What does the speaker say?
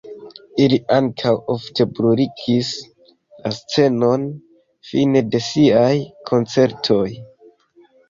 Ili ankaŭ ofte bruligis la scenon fine de siaj koncertoj.